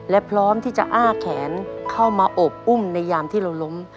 และพร้อมที่จะอ้าแขนเข้ามาโอบอุ้มในยามที่เราล้ม